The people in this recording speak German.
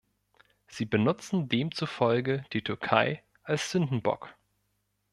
Sie benutzen demzufolge die Türkei als Sündenbock.